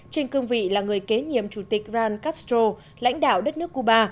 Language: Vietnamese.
trên cương vị là người kế nhiệm chủ tịch ran castro lãnh đạo đất nước cuba